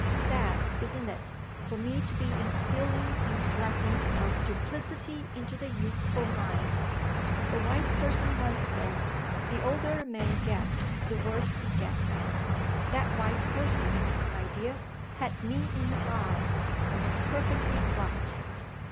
Sad (isn't it?) for me to be instilling these lessons of duplicity into the youthful mind. A wise person once said, 'The older a man gets the worse he gets.' That wise person, my dear, had me in his eye, and was perfectly right."